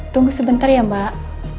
tunggu sebentar ya mbak